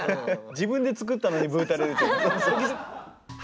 自分で作ったのにブーたれる。